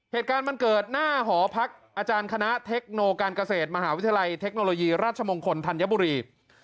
เหตุการณ์มันเกิดหน้าหอพักอาจารย์คณะเทคโนการเกษตรมหาวิทยาลัยเทคโนโลยีราชมงคลธัญบุรี